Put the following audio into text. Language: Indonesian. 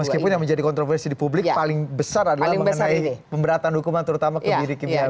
meskipun yang menjadi kontroversi di publik paling besar adalah mengenai pemberatan hukuman terutama kebiri kimia